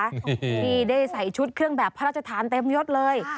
นี่ได้ใส่ชุดเครื่องแบบพระราชทานเต็มยดเลย